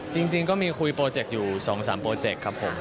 จริงก็มีคุยโปรเจกต์อยู่๒๓โปรเจคครับผม